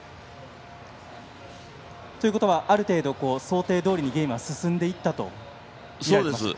ということはある程度、想定どおりにゲームは進んでいったといえますか？